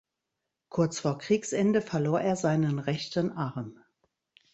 Kurz vor Kriegsende verlor er seinen rechten Arm.